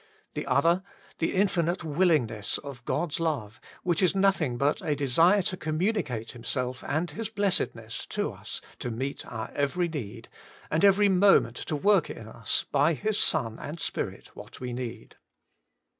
The other, the infinite willingness of God's love, which is nothing but a desire to communicate Him self and His blessedness to us to meet our every need, and every moment to work us in by Hia Son and Spirit what we need.